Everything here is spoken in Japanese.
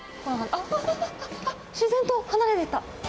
あっ、自然と離れていった。